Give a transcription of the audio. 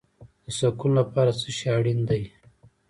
د سکون لپاره څه شی اړین دی؟